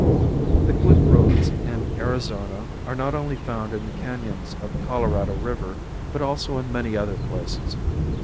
The cliff ruins in Arizona are not only found in the canons of the Colorado river, but also in many other places.